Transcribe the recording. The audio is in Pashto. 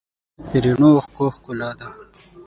ښایست د رڼو اوښکو ښکلا ده